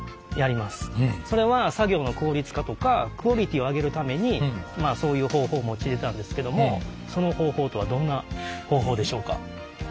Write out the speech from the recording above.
それは作業の効率化とかクオリティーを上げるためにそういう方法を用いてたんですけどもその方法とはどんな方法でしょうか？